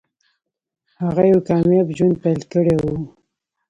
هغه یو کامیاب ژوند پیل کړی دی